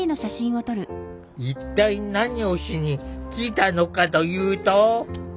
一体何をしに来たのかというと。